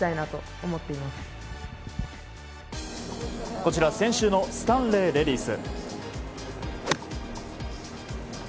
こちら、先週のスタンレーレディス。